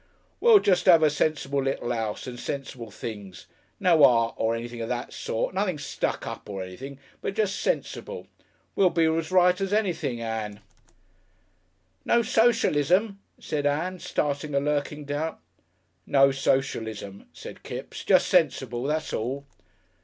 "We'll jest 'ave a sensible little 'ouse, and sensible things. No art or anything of that sort, nothing stuck up or anything, but jest sensible. We'll be as right as anything, Ann." "No socialism," said Ann, starting a lurking doubt. "No socialism," said Kipps; "just sensible, that's all."